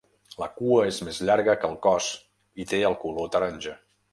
La cua és més llarga que el cos i té el color taronja.